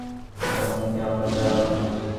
এমনকি আমার দ্বারাও না।